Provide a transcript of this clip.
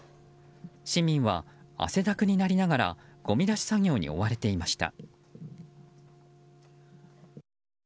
市民は汗だくになりながらごみ出し作業に追われていました。